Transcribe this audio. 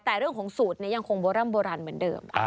แต่เรื่องของสูตรนี้ยังคงบ๊อห์รั่มบูรันแบบเดิม